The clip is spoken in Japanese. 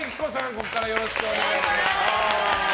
ここからよろしくお願いします。